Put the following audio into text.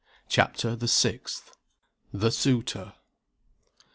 CHAPTER THE SIXTH. THE SUITOR.